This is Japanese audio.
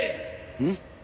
うん？